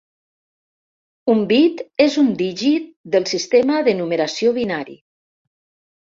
Un bit és un dígit del sistema de numeració binari.